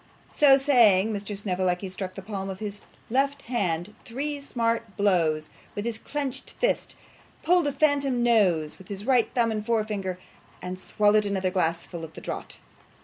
So saying, Mr. Snevellicci struck the palm of his left hand three smart blows with his clenched fist; pulled a phantom nose with his right thumb and forefinger, and swallowed another glassful at a draught.